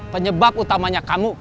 penyebab utamanya kamu